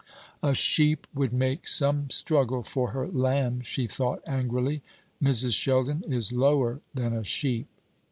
"A sheep would make some struggle for her lamb," she thought, angrily. "Mrs. Sheldon is lower than a sheep."